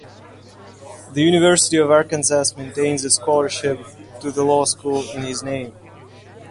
The University of Arkansas maintains a scholarship to the law school in his name.